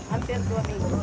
hampir dua minggu